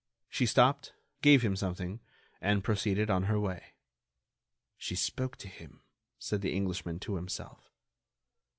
She stopped, gave him something, and proceeded on her way. "She spoke to him," said the Englishman to himself.